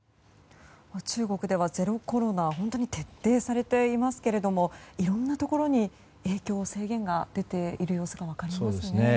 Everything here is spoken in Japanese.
中国では、ゼロコロナが本当に徹底されていますけれどもいろいろなところに影響、制限が出ている様子が分かりますね。